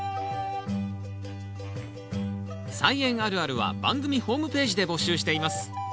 「菜園あるある」は番組ホームページで募集しています。